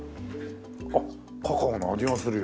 あっカカオの味がするよ。